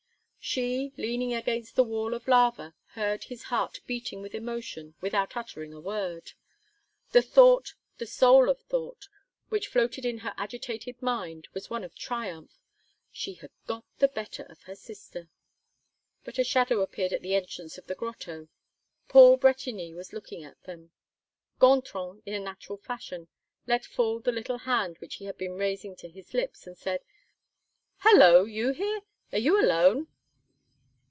She, leaning against the wall of lava, heard his heart beating with emotion without uttering a word. The thought, the sole thought, which floated in her agitated mind, was one of triumph; she had got the better of her sister! But a shadow appeared at the entrance to the grotto. Paul Bretigny was looking at them. Gontran, in a natural fashion, let fall the little hand which he had been raising to his lips, and said: "Hallo! you here? Are you alone?"